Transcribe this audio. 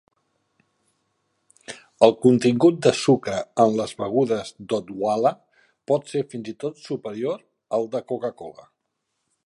El contingut de sucre en les begudes d'Odwalla pot ser fins i tot superior al de Coca-Cola.